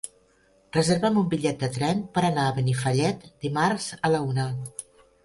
Reserva'm un bitllet de tren per anar a Benifallet dimarts a la una.